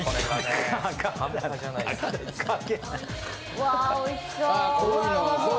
うわおいしそう。